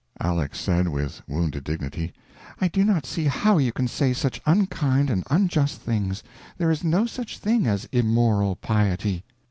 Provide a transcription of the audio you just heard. Aleck said, with wounded dignity: "I do not see how you can say such unkind and unjust things. There is no such thing as immoral piety."